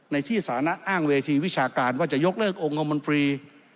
ในที่สานะอ้างเวทีวิชาการว่าจะยกเลิกองค์กรมนตรี